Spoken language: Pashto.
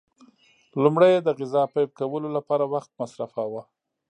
لومړی یې د غذا پیدا کولو لپاره وخت مصرفاوه.